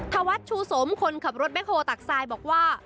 ทวชชูสมคนขับรถแม็กโฮตักทรายบอกว่า